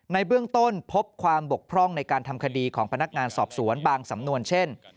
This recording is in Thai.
ในเบื้องต้นพบความบกพร่องในการทำคดีของพนักงานสอบสวนบางสำนวนเช่น